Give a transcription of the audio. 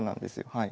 はい。